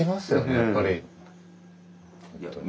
やっぱり。